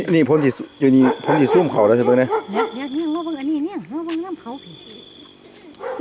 นี่อยู่ในนี้ผมที่สู้มเผาแล้วเถอะ